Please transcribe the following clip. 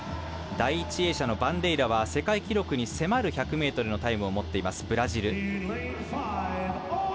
第１泳者のバンデイラは世界記録に迫る１００ｍのタイムを持っているブラジル。